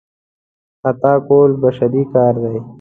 خطا کول بشري کار دی.